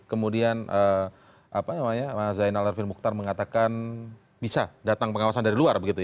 kemudian zainal arfi mukhtar mengatakan bisa datang pengawasan dari luar